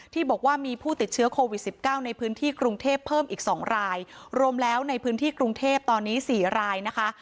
ที่บอกว่ามีผู้ติดเชื้อโควิด๑๙ในพื้นที่กรุงเทพเพิ่มอีก๒รายรวมแล้วในพื้นที่กรุงเทพตอนนี้๔รายนะคะ